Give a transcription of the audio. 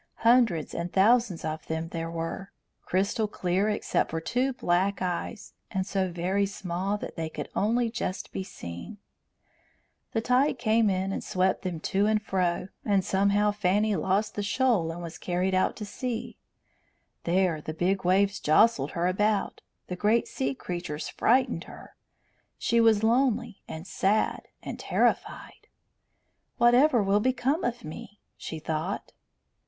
Hundreds and thousands of them there were, crystal clear except for two black eyes, and so very small that they could only just be seen. The tide came in and swept them to and fro, and somehow Fanny lost the shoal and was carried out to sea. There the big waves jostled her about, the great sea creatures frightened her. She was lonely and sad and terrified. "Whatever will become of me?" she thought.